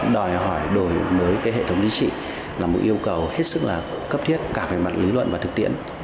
đòi hỏi đổi mới hệ thống chính trị là một yêu cầu hết sức là cấp thiết cả về mặt lý luận và thực tiễn